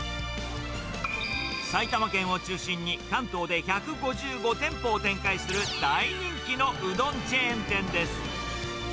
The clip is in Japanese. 埼玉県を中心に、関東で１５５店舗を展開する大人気のうどんチェーン店です。